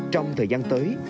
trong thời gian tới